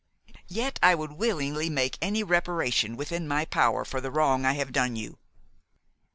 Yet I would willingly make any reparation within my power for the wrong I have done you."